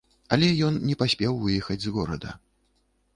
Але ён не паспеў выехаць з горада.